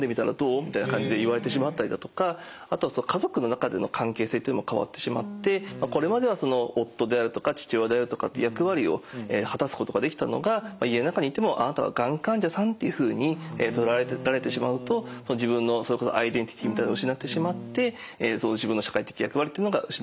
みたいな感じで言われてしまったりだとかあとは家族の中での関係性っていうのも変わってしまってこれまでは夫であるとか父親であるとかっていう役割を果たすことができたのが家の中にいても「あなたはがん患者さん」っていうふうに捉えられてしまうと自分のそれこそアイデンティティーみたいなのを失ってしまって自分の社会的役割っていうのが失われていく。